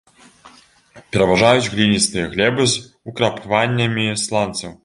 Пераважаюць гліністыя глебы з украпваннямі сланцаў.